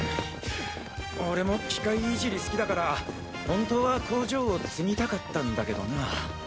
俺も機械いじり好きだから本当は工場を継ぎたかったんだけどな。